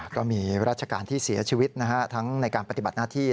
ก็มีราชการที่เสียชีวิตทั้งในการปฏิบัติหน้าที่